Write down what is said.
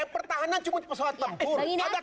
emang pertahanan cukup pesawat tempur